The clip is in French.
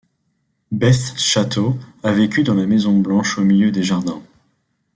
Beth Chatto a vécu dans la maison blanche au milieu des jardins.